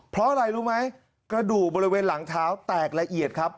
เพราะอะไรรู้ไหมกระดูกบริเวณหลังเท้าแตกละเอียดครับ